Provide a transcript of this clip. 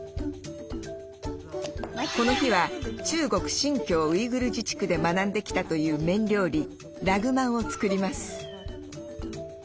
この日は中国・新彊ウイグル自治区で学んできたという麺料理ラグマンを作ります。